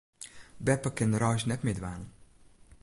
Beppe kin de reis net mear dwaan.